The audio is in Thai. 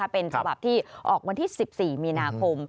เป็นฉบับที่ออกวันที่๑๔มีนาคม